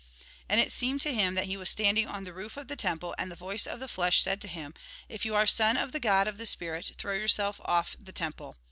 And it seemed to him that he was standing on the roof of the temple, and the voice of the flesh said to him :" If you are Son of the God of the spirit, throw yourself off the temple.